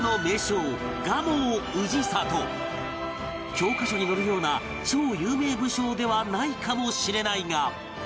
教科書に載るような超有名武将ではないかもしれないが